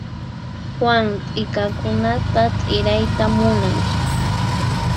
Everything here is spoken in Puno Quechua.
Juan t'ikakunata t'irayta munan.